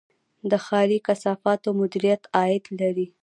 د ښاري کثافاتو مدیریت عاید لري